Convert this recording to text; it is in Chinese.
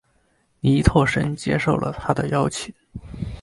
倪柝声接受了他的邀请。